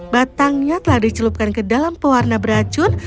batangnya telah dicelupkan ke dalam pewarna beracun